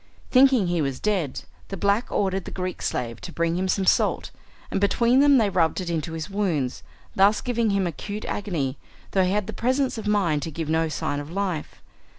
Thinking he was dead, the black ordered the Greek slave to bring him some salt, and between them they rubbed it into his wounds, thus giving him acute agony, though he had the presence of mind to give no sign of life.